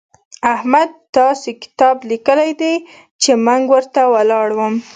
احمد داسې کتاب ليکلی دی چې منګ ورته ولاړم.